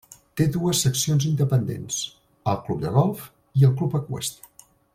Té dues seccions independents: el club de golf i el club eqüestre.